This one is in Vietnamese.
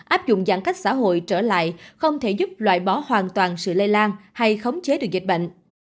áp dụng giãn cách xã hội trở lại không thể giúp loại bỏ hoàn toàn sự lây lan hay khống chế được dịch bệnh